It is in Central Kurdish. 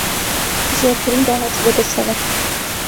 زۆرترین داهاتی بەدەستهێنا